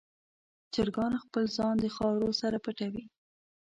چرګان خپل ځان د خاورو سره پټوي.